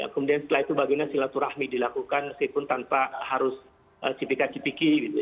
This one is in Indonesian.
kemudian setelah itu bagaimana silaturahmi dilakukan meskipun tanpa harus cipika cipiki